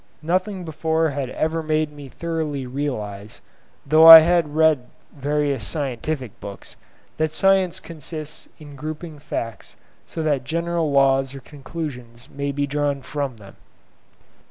Nothing before had ever made me thoroughly realise, though I had read various scientific books, that science consists in grouping facts so that general laws or conclusions may be drawn from them.